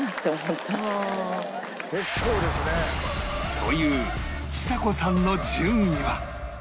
というちさ子さんの順位は？